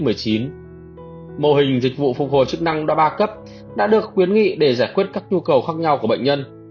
mô hình dịch vụ phục hồi chức năng đo ba cấp đã được khuyến nghị để giải quyết các nhu cầu khác nhau của bệnh nhân